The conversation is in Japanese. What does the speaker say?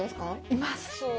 います。